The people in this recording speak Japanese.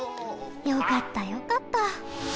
よかったよかった！